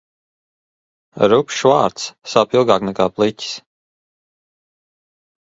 Rupjš vārds sāp ilgāk nekā pliķis.